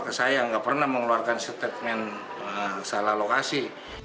kesayang nggak pernah mengeluarkan statement salah lokasi